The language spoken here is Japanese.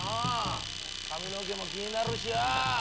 髪の毛も気になるしよ。